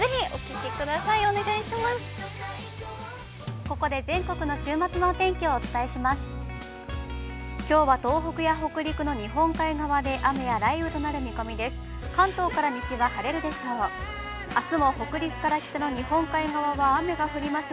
きょうは東京都や北陸の日本海側で雨や雷雨となる見込みです。